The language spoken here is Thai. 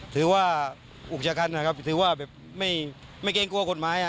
ถือว่าอุกชะกันนะครับถือว่าแบบไม่เกรงกลัวกฎหมาย